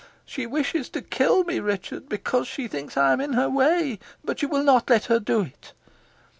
She wishes to kill me, Richard, because she thinks I am in her way. But you will not let her do it."